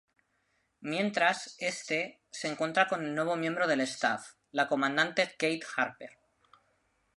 Mientras, este, se encuentra con el nuevo miembro del staff, la comandante Kate Harper.